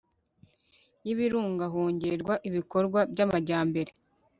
y ibirunga hongerwa ibikorwa by amajyambere